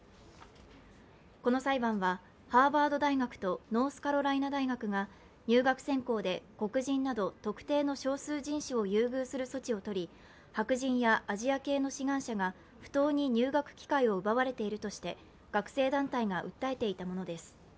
この裁判はハーバード大学とノースカロライナ大学が入学選考で黒人など特定の少数人種を優遇する措置を取り、白人やアジア系の志願者が不当に入学機会を奪われているとして学生団体が訴えていたものです。